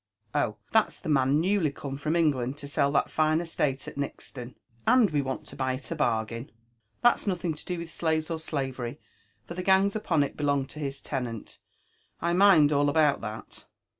" Oh ! «tha.t'<s the man newly come from England to sell that fine estate at .NUtoo, and we want lo buy it a bargain : that's nothing to do with slaves or slavery, for the gangs upon it belong to his tenant. I laind all ahoMt that."